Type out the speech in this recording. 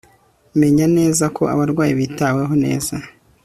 Menya neza ko abarwayi bitaweho neza